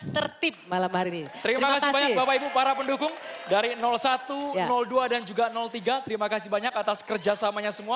terima kasih banyak atas kerjasamanya semua